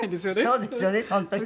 そうですよねその時はね。